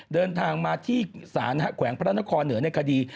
เดินทางมาที่ศาลแขวงพระนครเหนือในคดี